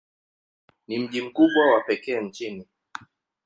Ni mji mkubwa wa pekee nchini.